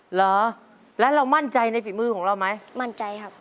เหรอแล้วเรามั่นใจในฝีมือของเราไหมมั่นใจครับ